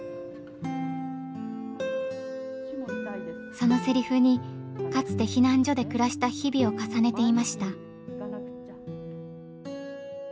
そのセリフにかつて避難所で暮らした日々を重ねていました。